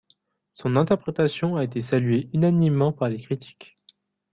Son interprétation a été saluée unanimement par les critiques.